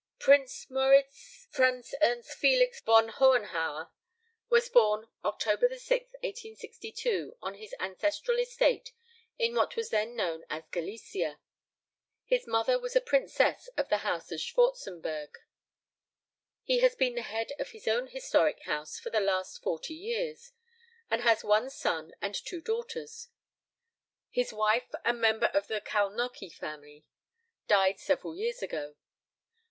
"Prince Moritz Franz Ernst Felix von Hohenhauer was born October 6th, 1862, on his ancestral estate in what was then known as Galicia. His mother was a princess of the House of Schwarzenberg. He has been the head of his own historic house for the last forty years, and has one son and two daughters. His wife, a member of the Kalnóky family, died several years ago.